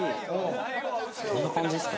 どんな感じですか？